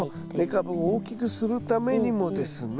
根株を大きくするためにもですね